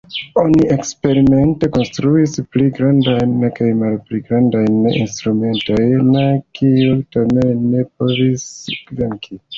Oni eksperimente konstruis pli grandajn kaj pli malgrandajn instrumentojn, kiuj tamen ne povis venki.